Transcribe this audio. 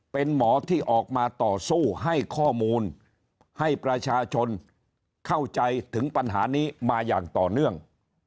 เป็นหมอที่ออกมาต่อสู้ให้ข้อมูลให้ประชาชนเข้าใจถึงปัญหานี้มาอย่างต่อเนื่อง